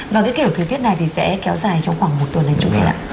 và cái kiểu thời tiết này thì sẽ kéo dài trong khoảng một tuần anh trung kiên ạ